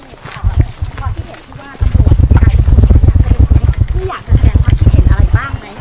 ก็ได้ข้อมูลที่เป็นประโยชน์นะครับอ่าทางประหย่านก็มาให้ตัดคำ